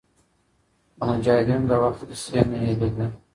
د مجاهدینو د وخت کیسې یې نه هېرېدې.